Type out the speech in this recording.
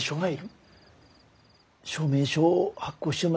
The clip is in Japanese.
はい。